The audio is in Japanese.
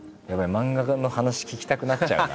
漫画家の話聞きたくなっちゃうな。